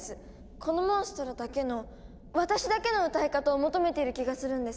このモンストロだけの私だけの歌い方を求めている気がするんです。